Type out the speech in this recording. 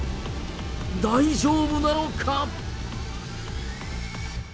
大丈夫なのか。